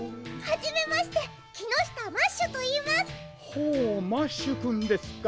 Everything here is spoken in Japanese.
ほうマッシュくんですか。